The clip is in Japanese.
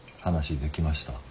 話できました？